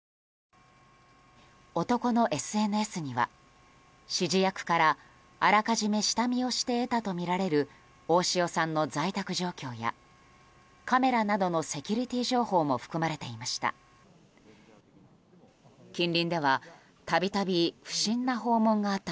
男のＳＮＳには指示役から、あらかじめ下見をして得たとみられる大塩さんの在宅状況やカメラなどのセキュリティー情報も含まれていました。